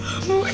ya ampun gue